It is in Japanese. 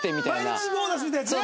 毎日ボーナスみたいなやつね。